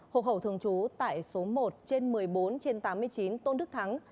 hộ khẩu thường trú tại số một trên một mươi bốn trên tám mươi chín tôn đức thắng